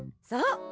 そう。